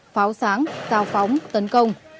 pháo sáng tàu phóng tấn công